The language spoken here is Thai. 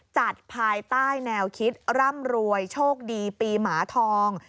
ภายใต้แนวคิดร่ำรวยโชคดีปีหมาทอง